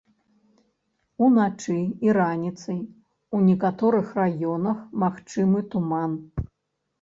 Уначы і раніцай у некаторых раёнах магчымы туман.